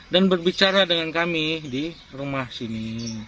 dan berbicara dengan kami di rumah sini